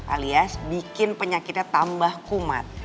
alias bikin penyakitnya tambah kumat